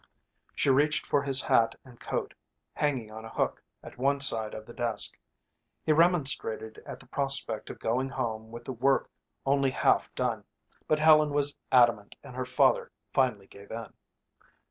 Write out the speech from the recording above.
She reached for his hat and coat hanging on a hook at one side of the desk. He remonstrated at the prospect of going home with the work only half done, but Helen was adamant and her father finally gave in.